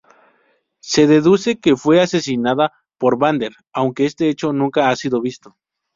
Se deduce que fue asesinada por Vader, aunque este hecho nunca ha sido visto.